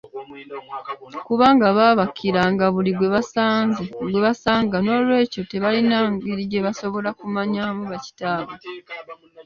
Kubanga baabakiranga buli gwe basanga noolwekyo tebalina ngeri gye basobola kumanyaamu bakitaabwe.